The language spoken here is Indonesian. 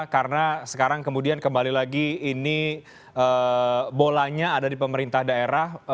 karena sekarang kemudian kembali lagi ini bolanya ada di pemerintah daerah